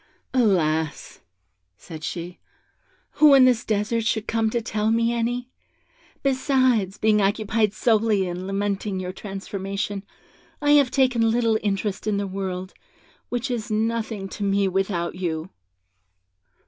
'Alas!' said she, 'who in this desert should come to tell me any? Besides, being occupied solely in lamenting your transformation, I have taken little interest in the world, which is nothing to me without you.'